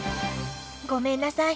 ごめんなさい。